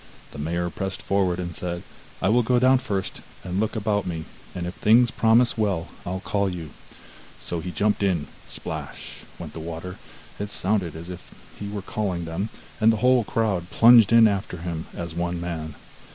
The mayor pressed forward and said: 'I will go down first, and look about me, and if things promise well I'll call you.' So he jumped in; splash! went the water; it sounded as if he were calling them, and the whole crowd plunged in after him as one man.